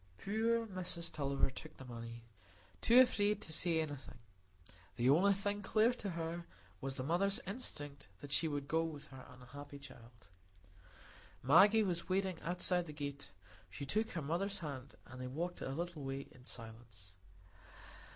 Poor Mrs Tulliver took the money, too frightened to say anything. The only thing clear to her was the mother's instinct that she would go with her unhappy child. Maggie was waiting outside the gate; she took her mother's hand and they walked a little way in silence.